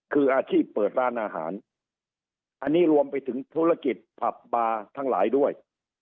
คืออาชีพเปิดร้านอาหารอันนี้รวมไปถึงธุรกิจผับบาร์ทั้งหลายด้วย